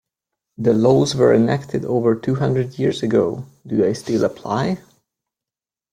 The laws were enacted over two hundred years ago, do they still apply?